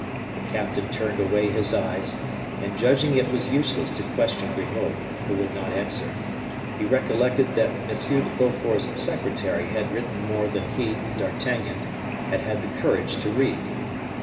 The captain turned away his eyes, and, judging it was useless to question Grimaud, who would not answer, he recollected that M. de Beaufort's secretary had written more than he, D'Artagnan, had had the courage to read.